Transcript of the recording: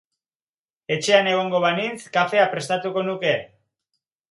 Etxean egongo banintz, kafea prestatuko nuke